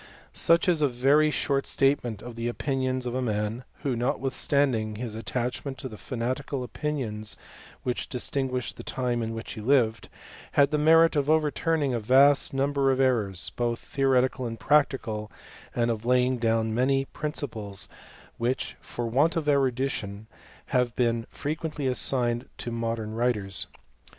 Such is a very short statement of the opinions of a man, who, notwithstanding his attachment to the fa^ natical opinions which distinguished the time in which he lived, had the merit of overturning a vast number of errors, both theoretical and practical ; and of laying down many principles, which, for want of erudition^ have been frequently assigned to modern writers.